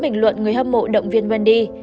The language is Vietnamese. bình luận người hâm mộ động viên wendy